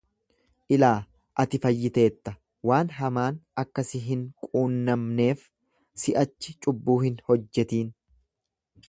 Ilaa, ati fayyiteetta, waan hamaan akka si hin quunnamneef si’achi cubbuu hin hojjetin.